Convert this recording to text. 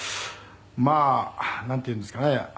「まあなんていうんですかね」